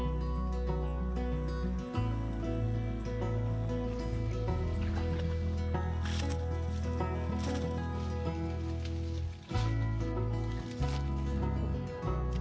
terima kasih tuhan